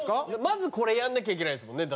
まずこれやらなきゃいけないですもんね。